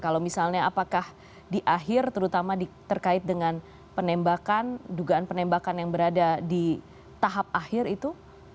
kalau misalnya apakah di akhir terutama terkait dengan penembakan dugaan penembakan yang berada di tahap akhir itu